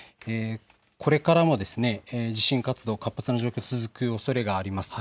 これからも地震活動、活発な状況が続くおそれがあります。